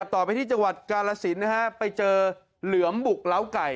ต่อไปที่จังหวัดกาลสินนะฮะไปเจอเหลือมบุกเล้าไก่